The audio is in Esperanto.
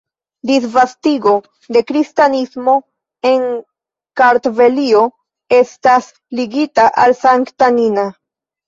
Disvastigo de kristanismo en Kartvelio estas ligita al Sankta Nina.